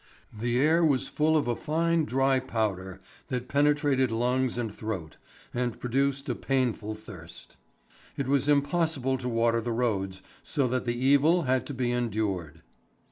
The air was full of a fine dry powder that penetrated lungs and throat, and produced a painful thirst. It was impossible to water the roads, so that the evil had to be endured.